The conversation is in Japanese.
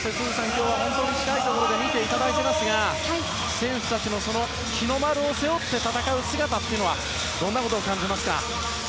今日は本当に近いところで見ていただいていますが選手たちの日の丸を背負って戦う姿にはどんなことを感じますか。